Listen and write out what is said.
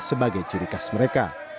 sebagai ciri khas mereka